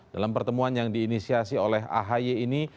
dalam pertemuan yang diinisiasi oleh ahy ini